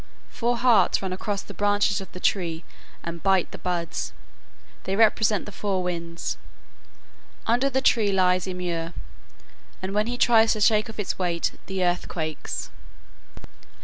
Four harts run across the branches of the tree and bite the buds; they represent the four winds. Under the tree lies Ymir, and when he tries to shake off its weight the earth quakes.